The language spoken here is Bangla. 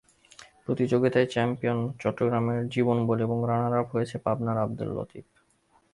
প্রতিযোগিতায় চ্যাম্পিয়ন চট্টগ্রামের জীবন বলী এবং রানারআপ হয়েছেন পাবনার আবদুল লতিফ।